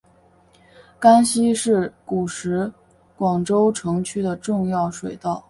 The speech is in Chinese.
甘溪是古时广州城区的重要水道。